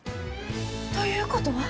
ということは？